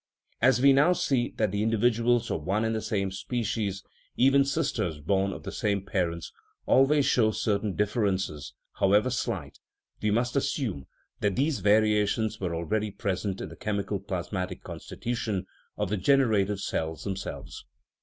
As we now see that the individuals of one and the same species even sis ters born of the same parents always show certain differences, however slight, we must assume that these variations were already present in the chemical plas matic constitution of the generative cells themselves.